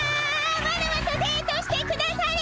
ワラワとデートしてくだされ！